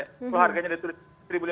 kalau harganya dari rp satu lima ratus